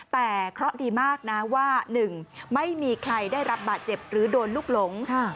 แต่เคราะห์ดีมากนะว่า๑ไม่มีใครได้รับบาดเจ็บหรือโดนลูกหลง